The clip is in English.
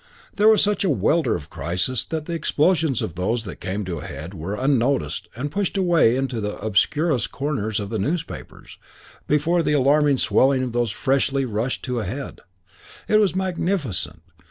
There was such a welter of crises that the explosions of those that came to a head were unnoticed and pushed away into the obscurest corners of the newspapers, before the alarming swelling of those freshly rushing to a head. It was magnificent.